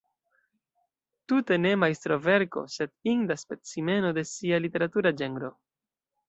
Tute ne majstroverko, sed inda specimeno de sia literatura ĝenro.